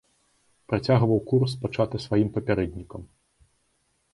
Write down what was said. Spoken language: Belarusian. Працягваў курс, пачаты сваім папярэднікам.